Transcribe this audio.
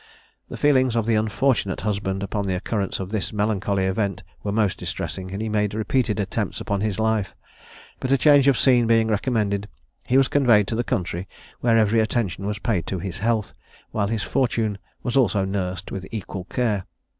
The feelings of the unfortunate husband upon the occurrence of this melancholy event were most distressing, and he made repeated attempts upon his life; but a change of scene being recommended, he was conveyed to the country, where every attention was paid to his health, while his fortune also was nursed with equal care.